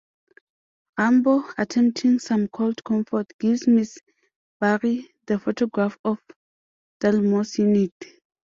Rambo, attempting some cold comfort, gives Mrs. Barry the photograph of Delmore's unit.